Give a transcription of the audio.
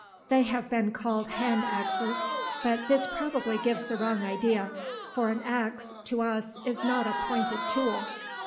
They have been called "hand axes," but this probably gives the wrong idea, for an ax, to us, is not a pointed tool.